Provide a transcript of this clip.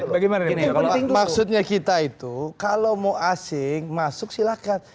begini maksudnya kita itu kalau mau asing masuk silahkan